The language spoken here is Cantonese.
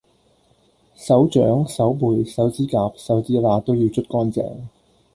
手掌、手背、手指甲、手指罅都要捽乾淨